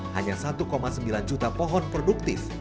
hanya satu sembilan juta pohon produktif